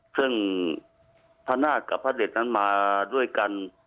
ซึ่งพระนาฏกับพระเด็ดนั้นมาด้วยกัน